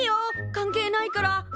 関係ないから。